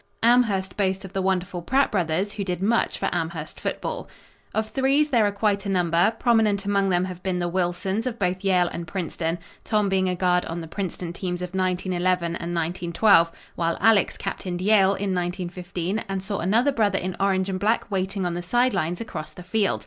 Amherst boasts of the wonderful Pratt brothers, who did much for Amherst football. Of threes there are quite a number. Prominent among them have been the Wilsons of both Yale and Princeton, Tom being a guard on the Princeton teams of 1911 and 1912, while Alex captained Yale in 1915 and saw another brother in orange and black waiting on the side lines across the field.